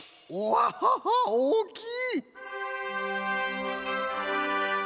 ワッハハおおきい！